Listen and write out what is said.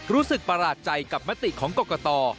รู้สึกประหลาดใจกับมัตติของกรกต